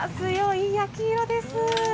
いい焼き色です。